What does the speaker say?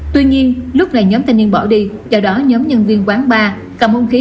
tuy nhiên lúc này nhóm thanh niên bỏ đi do đó nhóm nhân viên quán ba cầm hung khí